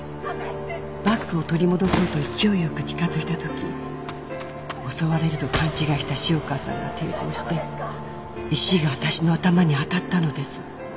「バッグを取り戻そうと勢いよく近づいたとき襲われると勘違いした潮川さんが抵抗して石が私の頭に当たったのです」